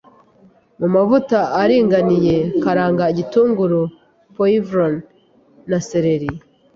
Mumavuta aringaniye karanga igitunguru poivron na sereri